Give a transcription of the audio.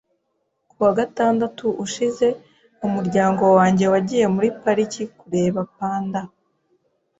Ku wa gatandatu ushize, umuryango wanjye wagiye muri pariki kureba panda.